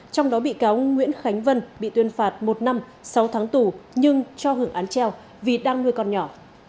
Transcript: trong đó bị cáo nguyễn khánh vân bị tuyên phạt một năm sáu tháng tù nhưng cho hưởng án treo vì đang nuôi con nhỏ